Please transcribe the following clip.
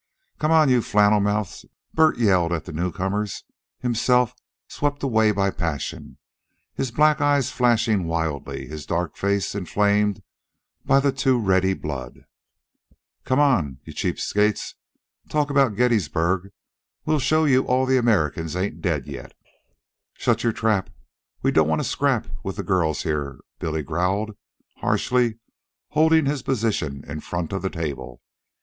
"Come on, you flannel mouths!" Bert yelled at the newcomers, himself swept away by passion, his black eyes flashing wildly, his dark face inflamed by the too ready blood. "Come on, you cheap skates! Talk about Gettysburg. We'll show you all the Americans ain't dead yet!" "Shut your trap we don't want a scrap with the girls here," Billy growled harshly, holding his position in front of the table.